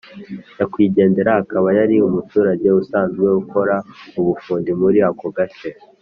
nyakwigendera akaba yari umuturage usanzwe ukora ubufundi muri ako gace